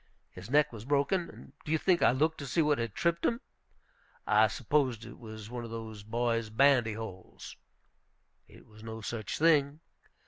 His neck was broken. And do you think I looked to see what had tripped him? I supposed it was one of the boys' bandy holes. It was no such thing.